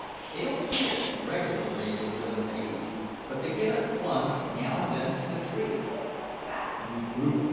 They don't feed it regularly with livin' babies, but they give it one now and then as a treat. Bah, you brute!"